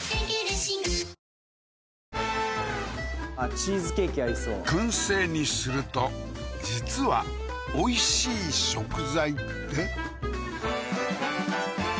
チーズケーキありそう燻製にすると実は美味しい食材って？